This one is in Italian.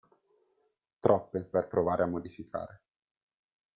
Troppe per provare a modificare.